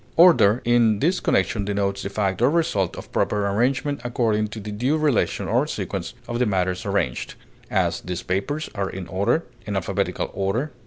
Order in this connection denotes the fact or result of proper arrangement according to the due relation or sequence of the matters arranged; as, these papers are in order; in alphabetical order.